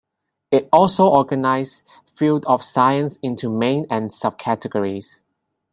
It also organizes Field of science into main and sub-categories.